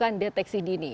jadi itu adalah deteksi dini